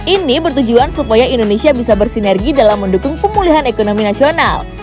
ini bertujuan supaya indonesia bisa bersinergi dalam mendukung pemulihan ekonomi nasional